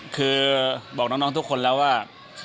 คือบอกน้องทุกคนแล้วว่า